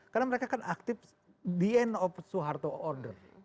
karena mereka kan aktif di end of suharto order